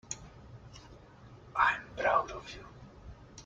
I'm proud of you.